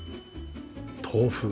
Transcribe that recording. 豆腐？